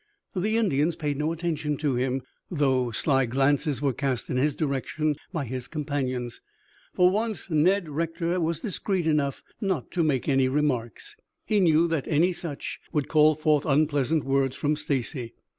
The Indians paid no attention to him, though sly glances were cast in his direction by his companions. For once, Ned Rector was discreet enough not to make any remarks. He knew that any such would call forth unpleasant words from Stacy.